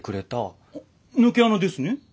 抜け穴ですね？